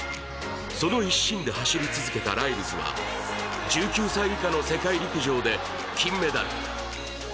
その一心で走り続けたライルズは１９歳以下の世界陸上で金メダル。